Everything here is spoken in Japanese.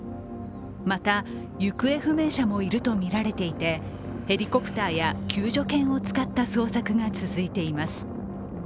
また、行方不明者もいるとみられていて、ヘリコプターや救助犬を使った捜索が続いています。